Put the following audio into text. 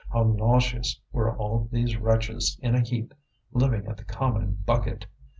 How nauseous were all these wretches in a heap, living at the common bucket!